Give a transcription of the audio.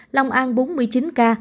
lòng an bốn mươi chín ca